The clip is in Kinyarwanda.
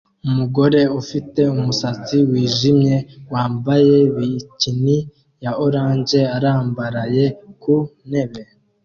Umugore ufite umusatsi wijimye wambaye bikini ya orange arambaraye ku ntebe